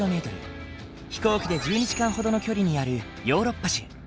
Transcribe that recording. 飛行機で１２時間ほどの距離にあるヨーロッパ州。